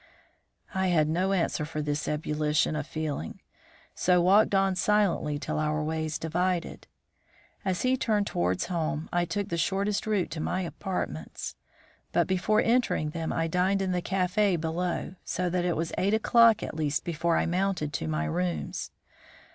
I had no answer for this ebullition of feeling, so walked on silently till our ways divided. As he turned towards home, I took the shortest route to my apartments. But before entering them I dined in the café below, so that it was eight o'clock at least before I mounted to my rooms.